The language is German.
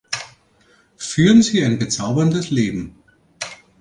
Führen Sie ein bezauberndes Leben